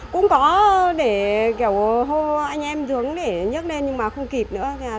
cũng có để kiểu hô anh em xuống để nhức lên nhưng mà không kịp nữa